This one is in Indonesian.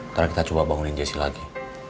nanti kita coba bangunin jesse lagi